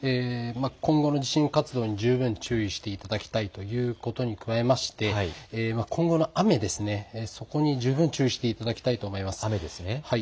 今後の地震活動に十分注意していただきたいということと今後の雨に十分注意していただきたいと思います。